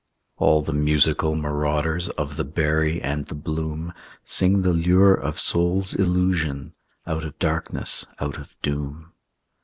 All the musical marauders Of the berry and the bloom Sing the lure of soul's illusion Out of darkness, out of doom.